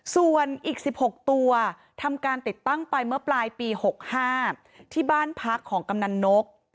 ส่วนอีก๑๖ตัวทำการติดตั้งไปเมื่อปลายปี๖๕ที่บ้านพักของกำนันนก